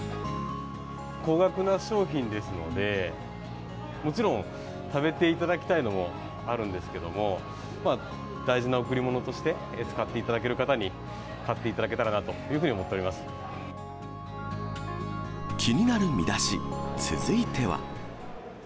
高額な商品ですので、もちろん食べていただきたいのもあるんですけども、大事な贈り物として、使っていただける方に買っていただけたらなというふうに思ってい気になるミダシ、続いては。